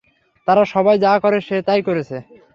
তারা সবাই যা করে সে তাই করেছে।